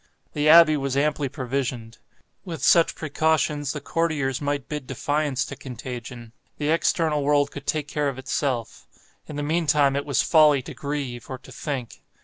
The abbey was amply provisioned. With such precautions the courtiers might bid defiance to contagion. The external world could take care of itself. In the meantime it was folly to grieve, or to think.